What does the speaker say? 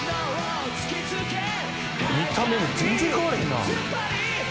「見た目も全然変わらへんな」